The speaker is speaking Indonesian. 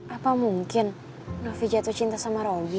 apa mungkin novi jatuh cinta sama roby